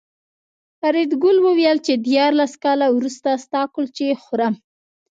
فریدګل وویل چې دیارلس کاله وروسته ستا کلچې خورم